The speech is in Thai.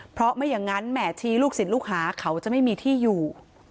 เพราะไม่อย่างนั้นแหม่ชี้ลูกศิษย์ลูกหาเขาจะไม่มีที่อยู่